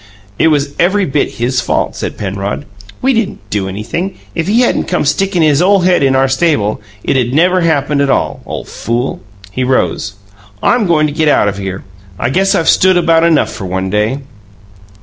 "It was every bit his fault," said Penrod. "We didn't do anything. If he hadn't come stickin' his ole head in our stable, it'd never happened at all. Ole fool!" He rose. "I'm goin' to get out of here; I guess I've stood about enough for one day."